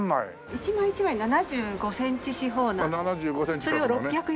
一枚一枚７５センチ四方なんです。